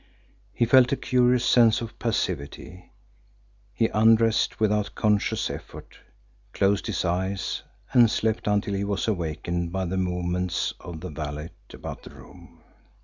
He felt a curious sense of passivity. He undressed without conscious effort, closed his eyes, and slept until he was awakened by the movements of the valet about the room.